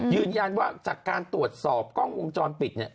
ยืนยันว่าจากการตรวจสอบกล้องวงจรปิดเนี่ย